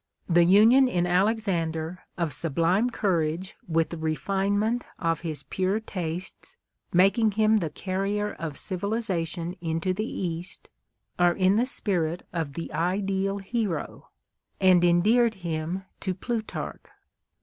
The union in Alexander of sublime courage with the refinement of his pure tastes, making him the carrier of civilization into the East, are in the spirit of the ideal hero, and endeared him to Plularch.